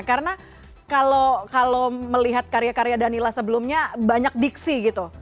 karena kalau melihat karya karya danila sebelumnya banyak diksi gitu